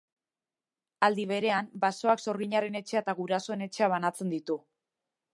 Aldi berean, basoak sorginaren etxea eta gurasoen etxea banatzen ditu.